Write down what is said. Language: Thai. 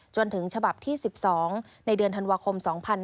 จนถึงฉบับที่๑๒ในเดือนธันวาคม๒๕๕๙